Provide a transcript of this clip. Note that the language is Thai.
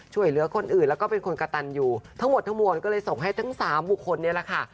ช่วยเหลือคนอื่นแล้วก็เป็นคนกระตันอยู่ทั้งหมดทั้งมวลก็เลยส่งให้ทั้งสามบุคคลนี้แหละค่ะ